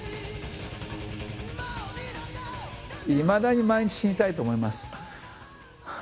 いまだに毎日死にたいと思います。